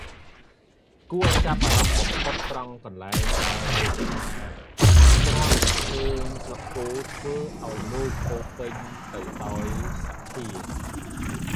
គួរឱ្យចាប់អារម្មណ៍បំផុតត្រង់កន្លែងដែលលោកថា គ្រាន់តែឃើញស្លឹកពោធ៍ធ្វើឱ្យលោកពោរពេញទៅដោយសទ្ធា។